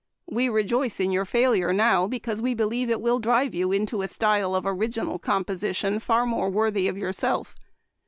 We rejoice in your failure now because we believe it will drive you into a style of origi nal composition far more worthy of yourself.